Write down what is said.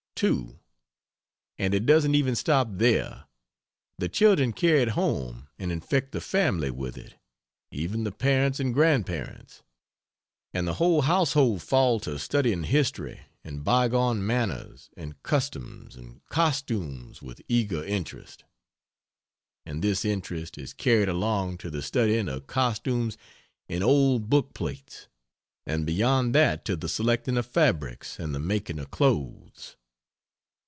2. And it doesn't even stop there; the children carry it home and infect the family with it even the parents and grandparents; and the whole household fall to studying history, and bygone manners and customs and costumes with eager interest. And this interest is carried along to the studying of costumes in old book plates; and beyond that to the selecting of fabrics and the making of clothes.